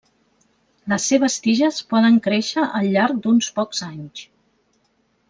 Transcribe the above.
Les seves tiges poden créixer al llarg d'uns pocs anys.